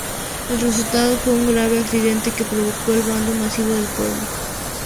El resultado fue un grave accidente que provocó el abandono masivo del pueblo.